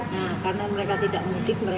nah karena mereka tidak mudik